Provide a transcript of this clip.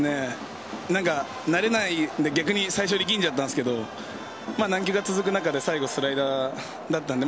慣れないので逆に最初、力んじゃったんですが何球か続く中で最後スライダーだったので